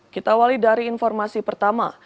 kita awali dari informasi pertama